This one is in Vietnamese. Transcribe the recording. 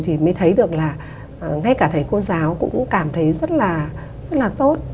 thì mới thấy được là ngay cả thầy cô giáo cũng cảm thấy rất là tốt